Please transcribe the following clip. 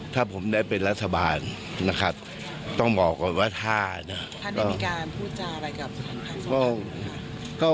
ถ้าผมได้เป็นรัฐบาลนะครับต้องบอกก่อนว่าท่านะ